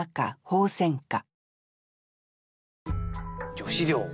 女子寮。